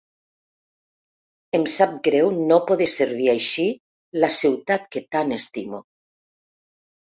Em sap greu no poder servir així la ciutat que tant estimo.